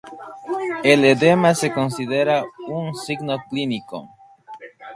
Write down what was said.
El edema se considera un signo clínico.